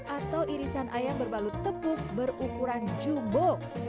atau irisan ayam berbalut tepuk berukuran jumbo